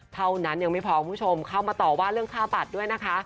เท่านั้นยังไม่พอคุณผู้ชมเข้ามาต่อว่าเรื่องค่าบัตรด้วยนะคะ